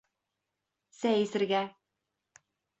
Сәй эсергә.